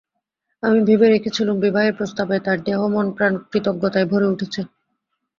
আমি ভেবে রেখেছিলুম, বিবাহের প্রস্তাবে তার দেহ মন প্রাণ কৃতজ্ঞতায় ভরে উঠেছে।